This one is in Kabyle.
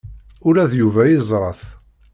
Ula d Yuba yeẓra-t.